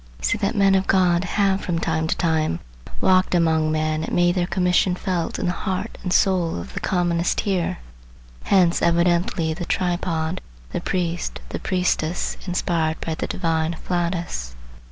I see that men of God have from time to time walked among men and made their commission felt in the heart and soul of the commonest hearer. Hence evidently the tripod, the priest, the priestess inspired by the divine afflatus.